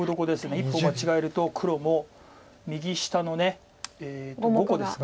一歩間違えると黒も右下の５個ですか。